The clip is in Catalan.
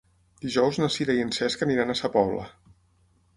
Dijous na Sira i en Cesc aniran a Sa Pobla.